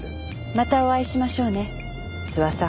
またお会いしましょうね須波さん。